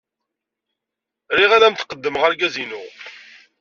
Riɣ ad am-d-qeddmeɣ argaz-inu.